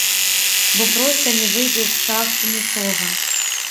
Бо проста не выйдзе з шахт нічога.